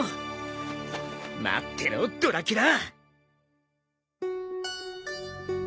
待ってろドラキュラ。